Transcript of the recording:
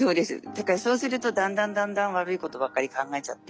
だからそうするとだんだんだんだん悪いことばっかり考えちゃって。